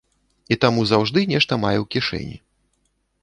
І таму заўжды нешта мае ў кішэні.